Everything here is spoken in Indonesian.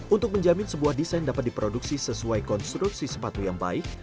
untuk menjamin sebuah desain dapat diproduksi sesuai konstruksi sepatu yang baik